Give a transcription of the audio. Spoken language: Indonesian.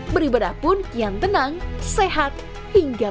beribadah pun kian tenang sehat dan berharga